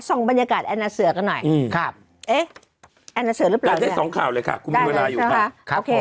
ทรงบรรยากาศแอนาเสือกันหน่อยเนี่ยนะคะสองข่าวเลยค่ะผมมีเวลาอยู่ค่ะแอนาเสือรึเปล่า